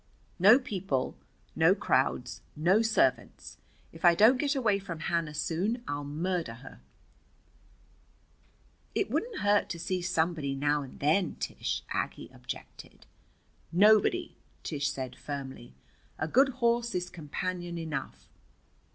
No people. No crowds. No servants. If I don't get away from Hannah soon I'll murder her." "It wouldn't hurt to see somebody now and then, Tish," Aggie objected. "Nobody," Tish said firmly. "A good horse is companion enough."